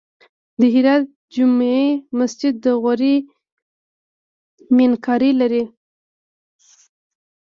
د هرات جمعې مسجد د غوري میناکاري لري